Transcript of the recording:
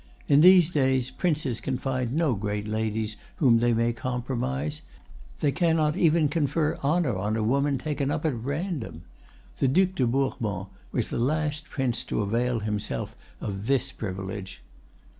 In these days princes can find no great ladies whom they may compromise; they cannot even confer honor on a woman taken up at random. The Duc de Bourbon was the last prince to avail himself of this privilege."